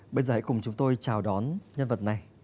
bây giờ hãy cùng chúng tôi chào đón nhân vật này